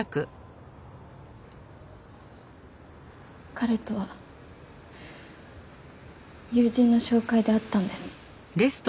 彼とは友人の紹介で会ったんです。